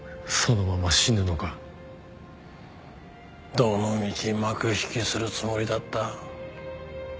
どのみち幕引きするつもりだった。